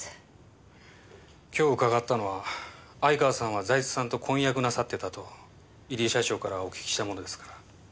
今日伺ったのは相川さんは財津さんと婚約なさっていたと入江社長からお聞きしたものですから。